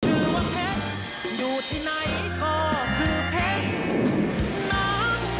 ชื่อว่าเพชรอยู่ที่ไหนก็คือเพชร